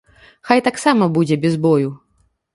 Хай таксама будзе без бою.